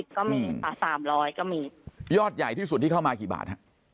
ก็ป่ะ๓๐๐ก็มียอดไยที่สุดที่เข้ามากี่บาทค่ะ